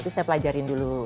itu saya pelajarin dulu